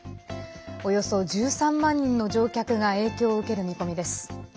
およそ１３万人の乗客が影響を受ける見込みです。